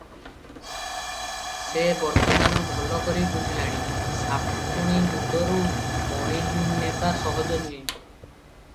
ସେ ବର୍ତ୍ତମାନ ଭଲ କରି ବୁଝିଲାଣି, ସାପୁଣୀ ମୁଣ୍ତରୁ ମଣି ନେବା ସହଜ ନୁହେଁ ।